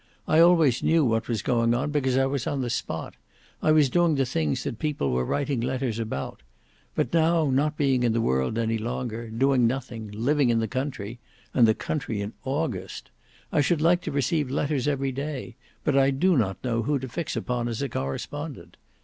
I always knew what was going on because I was on the spot; I was doing the things that people were writing letters about—but now not being in the world any longer, doing nothing, living in the country—and the country in August—I should like to receive letters every day, but I do not know who to fix upon as a correspondent.